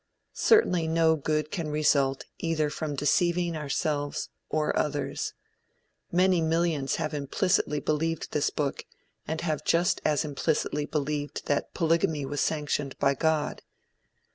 Certainly no good can result either from deceiving ourselves or others. Many millions have implicitly believed this book, and have just as implicitly believed that polygamy was sanctioned by God.